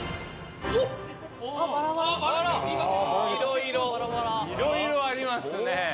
いろいろありますね。